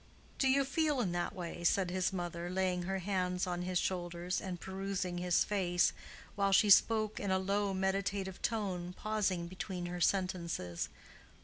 "Do you feel in that way?" said his mother, laying her hands on his shoulders, and perusing his face, while she spoke in a low meditative tone, pausing between her sentences.